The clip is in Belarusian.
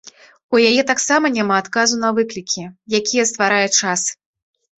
У яе таксама няма адказу на выклікі, якія стварае час.